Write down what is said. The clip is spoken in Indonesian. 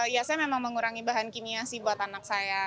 ya saya memang mengurangi bahan kimia sih buat anak saya